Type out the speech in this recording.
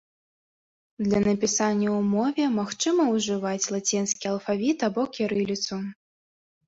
Для напісання ў мове магчыма ўжываць лацінскі алфавіт або кірыліцу.